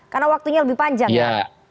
karena waktunya lebih panjang ya